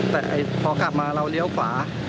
แต่พอกลับมาเราเลี้ยวขวา